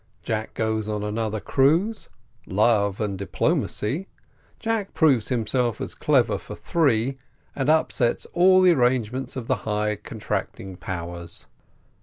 JACK GOES ON ANOTHER CRUISE LOVE AND DIPLOMACY JACK PROVES HIMSELF TOO CLEVER FOR THREE, AND UPSETS ALL THE ARRANGEMENTS OF THE HIGH CONTRACTING POWERS.